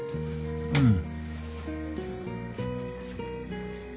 うん。